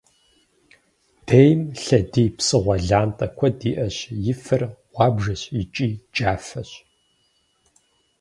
Дейм лъэдий псыгъуэ лантӏэ куэд иӏэщ, и фэр гъуабжэщ икӏи джафэщ.